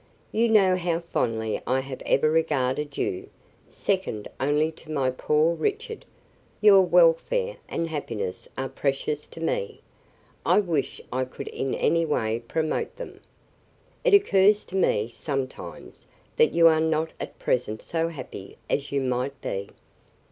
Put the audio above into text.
"You know how fondly I have ever regarded you, second only to my poor Richard. Your welfare and happiness are precious to me. I wish I could in any way promote them. It occurs to me, sometimes, that you are not at present so happy as you might be."